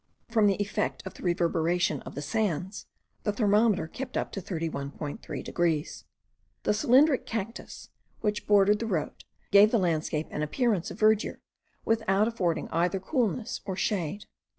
From the effect of the reverberation of the sands, the thermometer kept up to 31.3 degrees. The cylindric cactus, which bordered the road, gave the landscape an appearance of verdure, without affording either coolness or shade.